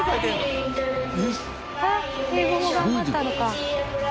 英語も頑張ったのか。